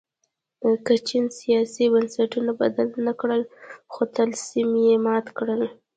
که چین سیاسي بنسټونه بدل نه کړل خو طلسم یې مات کړ.